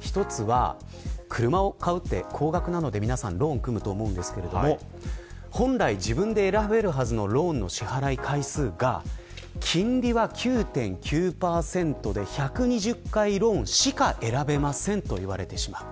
一つは、車を買うって高額なのでローンを組むと思いますが本来自分で選べるはずのローンの支払い回数が金利は９．９％で１２０回ローンしか選べませんと言われてしまう。